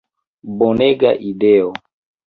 Bonega ideo!